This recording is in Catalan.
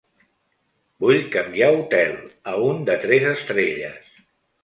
Vull canviar hotel, a un de tres estrelles.